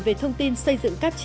về thông tin xây dựng các cơ hội